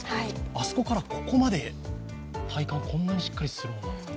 あそこからここまで体幹こんなしっかりするものなんですか。